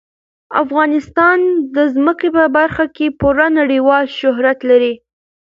افغانستان د ځمکه په برخه کې پوره نړیوال شهرت لري.